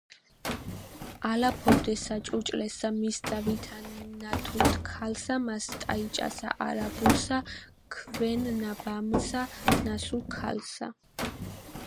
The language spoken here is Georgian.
ალაფობდეს საჭურჭლესა მისსა ვითა ნათურთქალსა მას ტაიჭასა არაბულსა ქვენ-ნაბამსა , ნასულქალსა